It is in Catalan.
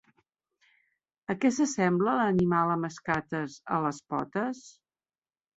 A què s'assembla l'animal amb escates a les potes?